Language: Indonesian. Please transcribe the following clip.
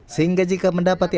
sehingga jika mendapatkan